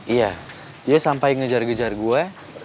iya dia sampai ngejar ngejar gue